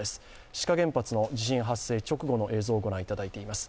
志賀原発の地震発生直後の映像をご覧いただいています。